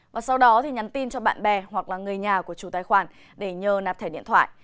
và sau đó nhắn tin cho bạn bè hoặc là người nhà của chủ tài khoản để nhờ nạp thẻ điện thoại